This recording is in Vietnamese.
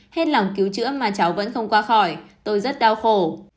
hết lòng cứu chữa mà cháu vẫn không qua khỏi tôi rất đau khổ